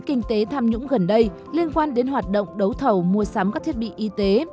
kinh tế tham nhũng gần đây liên quan đến hoạt động đấu thầu mua sắm các thiết bị y tế